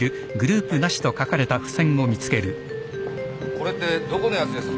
これってどこのやつです？